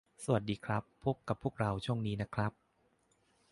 สวัสดีครับ พบกับพวกเราทางช่องนี้นะครับ